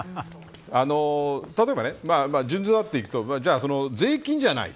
例えば、順序立てていくと税金じゃない。